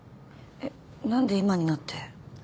えっ何で今になって。